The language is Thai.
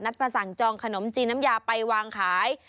มาสั่งจองขนมจีนน้ำยาไปวางขาย